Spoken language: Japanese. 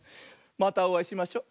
またおあいしましょ。